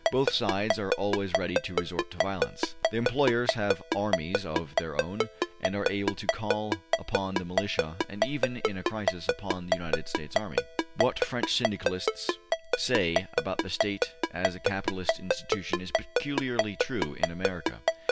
Both sides are always ready to resort to violence. The employers have armies of their own and are able to call upon the Militia and even, in a crisis, upon the United States Army. What French Syndicalists say about the State as a capitalist institution is peculiarly true in America.